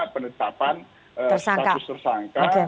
penetapan status tersangka